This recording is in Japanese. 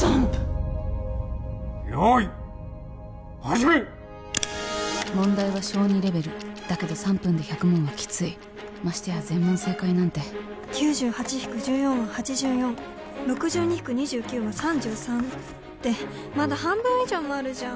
用意始め問題は小２レベルだけど３分で１００問はキツいましてや全問正解なんて９８−１４＝８４６２−２９＝３３てまだ半分以上もあるじゃん